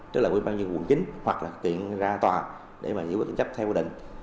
tức là ủy ban dân quận chín hoặc là kiện ra tòa để mà giữ quyền chấp theo quy định